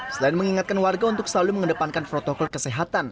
selain mengingatkan warga untuk selalu mengedepankan protokol kesehatan